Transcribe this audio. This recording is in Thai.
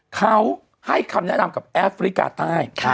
เค้าให้คำแนะนำกับอัฟริกาไตน์